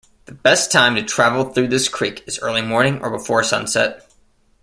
The best time to travel through this creek is early morning or before sunset.